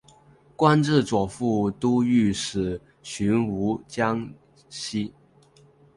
官至左副都御史巡抚江西。